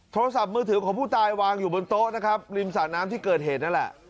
โทรศัพท์มือถือของผู้ตายวางอยู่บนโต๊ะนะครับริมสระน้ำที่เกิดเหตุนั่นแหละ